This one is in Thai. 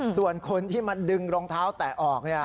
ส่วนคนที่มาดึงรองเท้าแตะออก